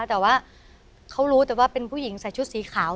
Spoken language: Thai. แต่ว่าเขารู้แต่ว่าเป็นผู้หญิงใส่ชุดสีขาว